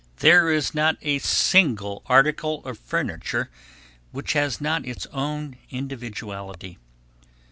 There is not a single article of furniture which has not its own individuality.